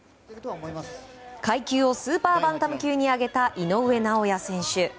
階級をスーパーバンタム級に上げた井上尚弥選手。